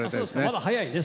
まだ早いね。